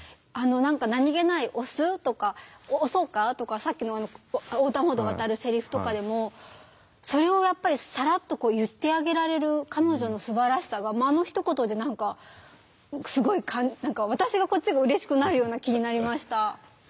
何気ない「押す？」とか「押そうか？」とかさっきの横断歩道を渡るせりふとかでもそれをやっぱりさらっと言ってあげられる彼女のすばらしさがあのひと言で何かすごい私がこっちがうれしくなるような気になりました。